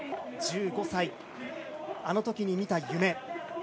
１５歳、あのときに見た夢。